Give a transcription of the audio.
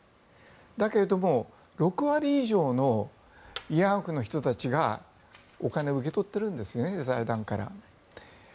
だけども６割以上の慰安婦の人たちがお金を受け取っているんですね財団から。